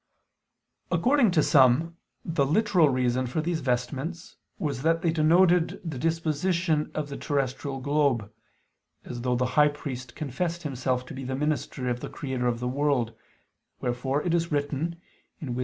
According to some, the literal reason for these vestments was that they denoted the disposition of the terrestrial globe; as though the high priest confessed himself to be the minister of the Creator of the world, wherefore it is written (Wis.